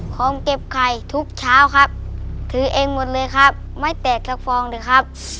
ของเก็บไข่ทุกเช้าครับถือเองหมดเลยครับไม่แตกสักฟองเลยครับ